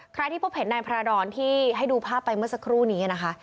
ใครที่พบเห็นนายพระดรที่ให้ดูภาพไปเมื่อสักครู่นี้นะคะ